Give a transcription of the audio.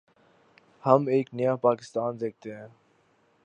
ہم ایک نیا پاکستان دیکھتے ہیں۔